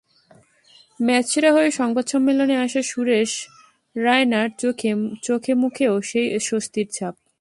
Match সেরা হয়ে সংবাদ সম্মেলনে আসা সুরেশ রায়নার চোখে-মুখেও সেই স্বস্তির ছাপ।